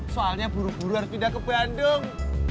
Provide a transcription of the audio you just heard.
soalnya buru buru harus pindah ke bandung